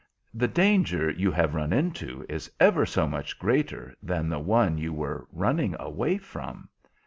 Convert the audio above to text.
The danger you have run into is ever so much greater than the one you were running away from."